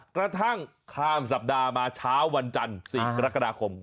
ข้ามสัปดาห์มาเช้าวันจันทร์๔กรกฎาคม